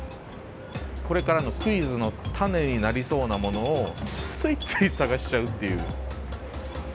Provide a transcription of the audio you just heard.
これからのクイズの種になりそうなものをついつい探しちゃうっていう。